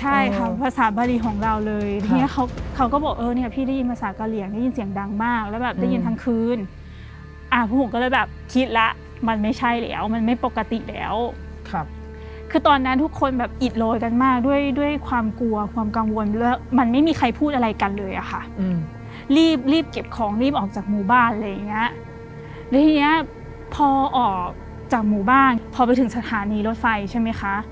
ใช่ค่ะภาษาบริของเราเลยทีนี้เขาก็บอกเออพี่ได้ยินภาษากะเรียงได้ยินเสียงดังมากแล้วแบบได้ยินทั้งคืนอะพวกผมก็เลยแบบคิดละมันไม่ใช่แล้วมันไม่ปกติแล้วคือตอนนั้นทุกคนแบบอิดโรยกันมากด้วยความกลัวความกังวลมันไม่มีใครพูดอะไรกันเลยอะค่ะรีบรีบเก็บของรีบออกจากหมู่บ้านอะไรอย่างเงี้ยแล้วทีนี้พอ